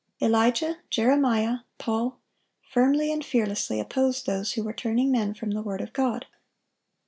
Elijah, Jeremiah, Paul, firmly and fearlessly opposed those who were turning men from the word of God.